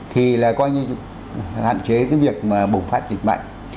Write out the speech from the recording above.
thì là coi như hạn chế cái việc mà bùng phát dịch bệnh